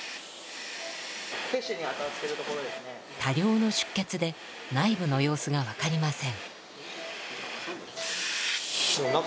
多量の出血で内部の様子が分かりません。